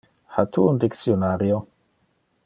Ha tu un dictionario?